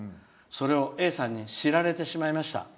それをＡさんに知られてしまいました。